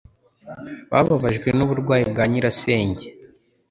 Bababajwe nuburwayi bwa nyirasenge.